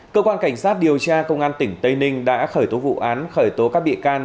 cơ quan cảnh sát điều tra công an tỉnh tây ninh đã khởi tố vụ án khởi tố các bị can